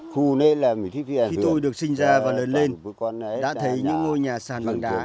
khi tôi được sinh ra và lớn lên đã thấy những ngôi nhà sàn bằng đá